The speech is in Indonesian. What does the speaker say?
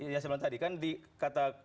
ya sebelum tadi kan dikata